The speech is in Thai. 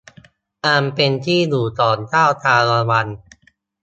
อันเป็นที่อยู่ของเจ้าชาละวัน